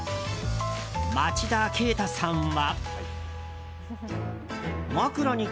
町田啓太さんは。